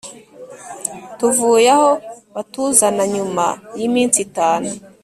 tuvuye aho batuzana nyuma y’iminsi itanu